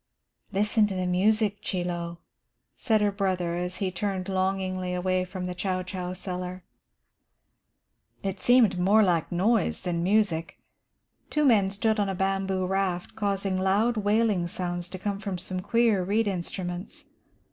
"Listen to the music, Chie Lo," said her brother, as he turned longingly away from the chouchou seller. It seemed more like noise than music. Two men stood on a bamboo raft causing loud, wailing sounds to come from some queer reed instruments.